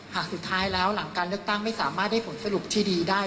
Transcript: หากสุดท้ายแล้วหลังการเลือกตั้งไม่สามารถได้ผลสรุปที่ดีได้